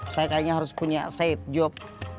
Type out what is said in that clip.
saya kayaknya harus punya side job